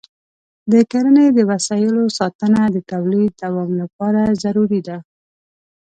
د کرني د وسایلو ساتنه د تولید دوام لپاره ضروري ده.